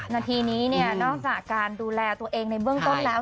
นาทีนี้นอกจากการดูแลตัวเองในเบื้องต้นแล้ว